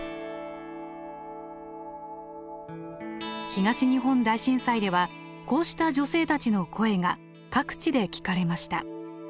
東日本大震災ではこうした女性たちの声が各地で聞かれました。